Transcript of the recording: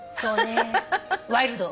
ワイルド。